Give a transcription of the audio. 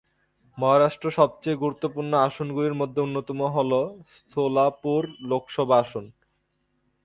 মহারাষ্ট্র সবচেয়ে গুরুত্বপূর্ণ আসনগুলির মধ্যে অন্যতম হল সোলাপুর লোকসভা আসন।